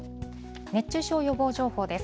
熱中症予防情報です。